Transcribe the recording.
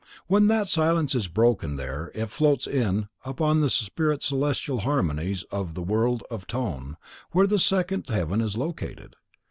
When that silence is broken there floats in upon the spirit celestial harmonies of the world of tone where the second heaven is located.